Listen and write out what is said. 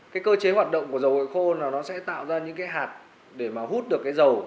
cái cơ chế hoạt động của dầu hội khô nó sẽ tạo ra những cái hạt để mà hút được cái dầu